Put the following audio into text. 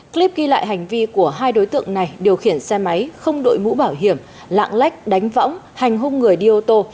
clip ghi lại hành vi của hai đối tượng này điều khiển xe máy không đội mũ bảo hiểm lạng lách đánh võng hành hung người đi ô tô